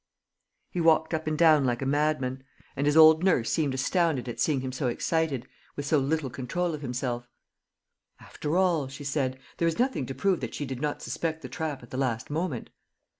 He walked up and down like a madman; and his old nurse seemed astounded at seeing him so excited, with so little control of himself: "After all," she said, "there is nothing to prove that she did not suspect the trap at the last moment.